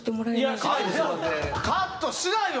カットしないよ